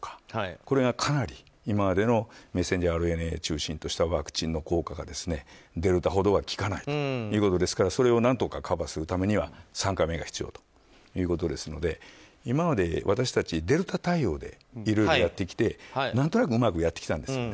これが、かなり今までのメッセンジャーＲＮＡを中心としたワクチンの効果は、デルタほど効かないということなのでそれを何とかカバーするためには３回目が必要ということですので今まで、私たちデルタ対応でいろいろやってきて何となくうまくやってきたんです。